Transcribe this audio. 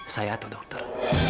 saya atau dokter